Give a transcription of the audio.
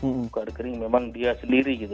buka rekening memang dia sendiri gitu